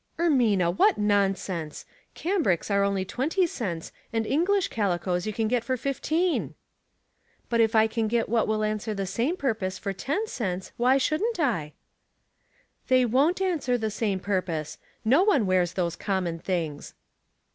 " Ermina, what nonsense ! Cambrics are only twenty cents, and English calicoes you can get for fifteen." Real or Imitation? 245 "But if I can get what will answer the same purpose for ten cents, why shouldn't I ?" "They won't answer the same purpose. No one wears those common things."